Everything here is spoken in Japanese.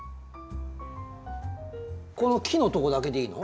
この木のとこだけでいいの？